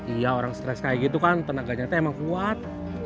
iya orang stress kayak gitu kan tenaganya emang kuat